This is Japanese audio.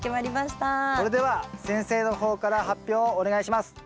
それでは先生の方から発表をお願いします。